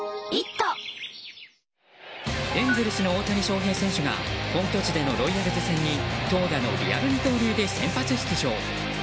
エンゼルスの大谷翔平選手が本拠地でのロイヤルズ戦に投打のリアル二刀流で先発出場。